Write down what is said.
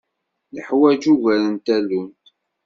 Neḥwaǧ ugar n tallunt.